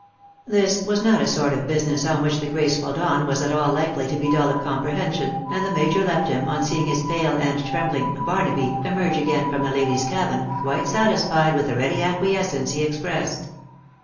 This was not a sort of business on which the graceful Don was at all hkely to be dull of comprehension, and the major left him, on seeing his pale and trembling ^'■Barnaby" emerge again from the ladies' cabin, quite satisfied with the ready acquiescence he expressed.